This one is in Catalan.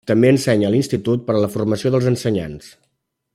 També ensenya a l'institut per a la formació dels ensenyants.